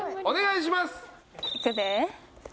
お願いします。